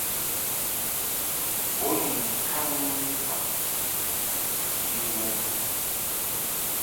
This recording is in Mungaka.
Bo ni ŋkaŋki faʼ nji wom.